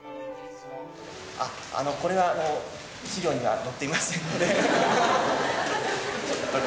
これは資料には載っていませんので。